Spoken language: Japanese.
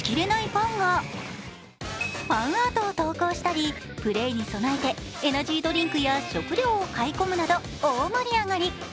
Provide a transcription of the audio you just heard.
ファンアートを投稿したりプレーに備えてエナジードリンクや食料を買い込むなど大盛り上がり。